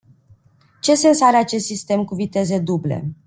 Ce sens are acest sistem cu viteze duble?